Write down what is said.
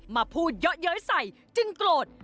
มาพูดเยอะเย้ยใส่จึงโกรธ